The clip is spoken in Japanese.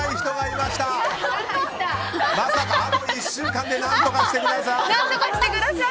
まさか、あと１週間で何とかしてください！